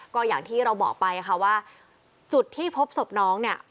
ก็อย่างที่เราบอกไปค่ะว่าจุดที่พบศพน้องเนี่ย